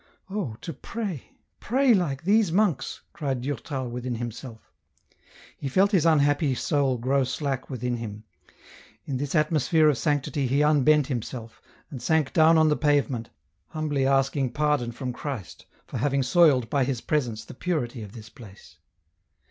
" Oh to pray, pray like these monks !" cried Durtal within himself. He felt his unhappy soul grow slack within him ; in this atmosphere of sanctity he unbent himself, and sank down on the pavement, humbly asking pardon from Christ, for having soiled by his presence the purity of this place.